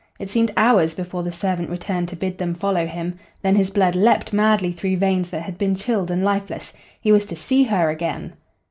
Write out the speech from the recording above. It seemed hours before the servant returned to bid them follow him. Then his blood leaped madly through veins that had been chilled and lifeless. He was to see Her again!